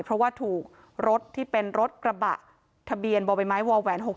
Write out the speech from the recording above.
เพราะว่าถูกรถที่เป็นรถกระบะทะเบียนบเบวแวร์๖๔๘๒๐๑